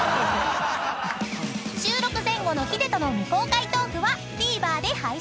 ［収録前後のヒデとの未公開トークはＴＶｅｒで配信］